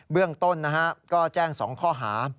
เบื้องต้นนะครับก็แจ้ง๒ข้อหา